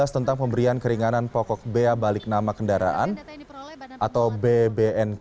tentang pemberian keringanan pokok bea balik nama kendaraan atau bbnk